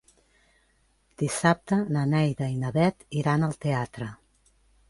Dissabte na Neida i na Bet iran al teatre.